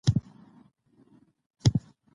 ړوند، ړنده، ړانده